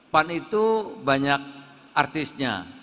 pan itu banyak artisnya